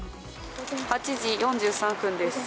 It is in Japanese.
８時４３分です。